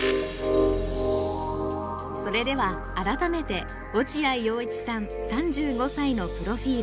それでは改めて落合陽一さん３５歳のプロフィール。